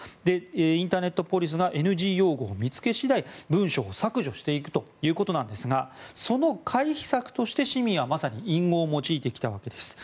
インターネットポリスがＮＧ用語を見つけ次第文章を削除していくということですがその回避策として市民はまさに隠語を用いてきたわけです。